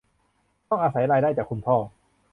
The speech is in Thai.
คุณอาศัยรายได้จากคุณพ่อ